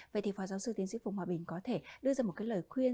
vậy thì phó giáo sư tiến sĩ phùng hòa bình có thể đưa ra một cái lời khuyên